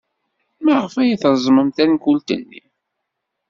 Maɣef ay treẓmemt tankult-nni?